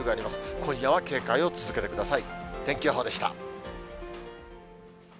今夜は警戒を続けてください。